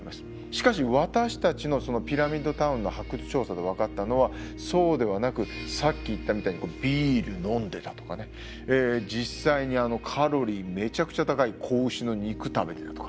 しかし私たちのピラミッド・タウンの発掘調査で分かったのはそうではなくさっき言ったみたいにビール飲んでたとかね実際にカロリーめちゃくちゃ高い子牛の肉食べてたとか。